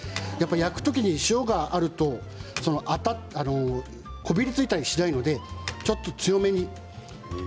焼く時に塩があるとこびりついたりしないのでちょっと強めに。